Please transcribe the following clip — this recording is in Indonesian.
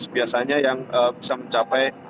biasanya yang bisa mencapai